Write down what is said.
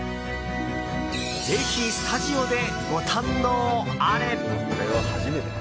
ぜひ、スタジオでご堪能あれ！